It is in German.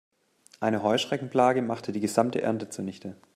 Eine Heuschreckenplage machte die gesamte Ernte zunichte.